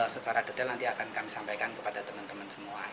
secara detail nanti akan kami sampaikan kepada teman teman semua